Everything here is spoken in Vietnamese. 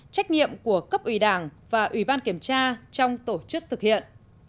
trách nhiệm của cấp ủy đảng và ủy ban kiểm tra trong tổ chức thực hiện